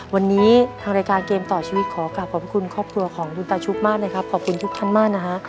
วันนี้ทางรายการเกมต่อชีวิตขอกลับขอบพระคุณครอบครัวของคุณตาชุบมากนะครับขอบคุณทุกท่านมากนะฮะ